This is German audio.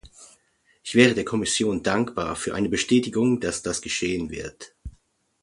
Ich wäre der Kommission dankbar für eine Bestätigung, dass das geschehen wird.